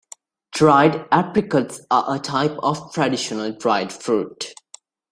Dried apricots are a type of traditional dried fruit.